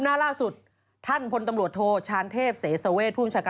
เจ้าของร้านออกมาบอกว่าอ๋อไม่รู้จักกัน